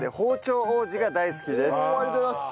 おおっありがとうございます！